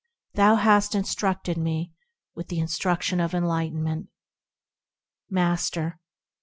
Thou hast instructed me with the instruction of enlightenment. Master.